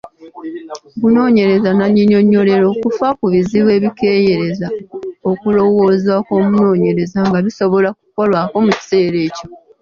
Okunoonyereza nnannyinyonnyolero kufa ku bizibu ebikeeyereza okulowooza kw’omunoonyereza nga bisobola kukolwako mu kiseera ekyo.